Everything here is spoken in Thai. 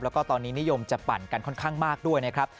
แล้วก็ตอนนี้นิยมจะปั่นกันค่อนข้างมากด้วยนะครับ